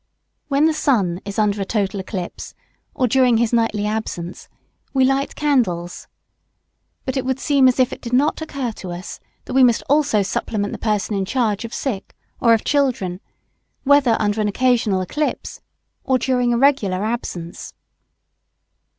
When the sun is under a total eclipse or during his nightly absence, we light candles. But it would seem as if it did not occur to us that we must also supplement the person in charge of sick or of children, whether under an occasional eclipse or during a regular absence.